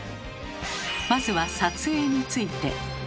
まずは「撮影」について。